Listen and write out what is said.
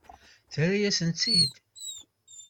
Terra-yasen-tt-id?